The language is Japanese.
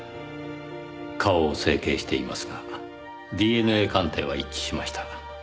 顔を整形していますがＤＮＡ鑑定は一致しました。